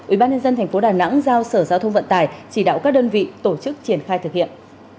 ubnd tp đà nẵng giao sở giao thông vận tải chỉ đạo các đơn vị tổ chức triển khai thực hiện